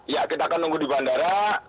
iya kita akan menunggu di bandara